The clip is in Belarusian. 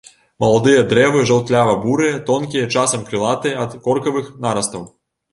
Маладыя дрэвы жаўтлява-бурыя, тонкія, часам крылатыя ад коркавых нарастаў.